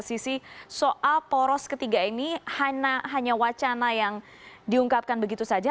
sisi soal poros ketiga ini hanya wacana yang diungkapkan begitu saja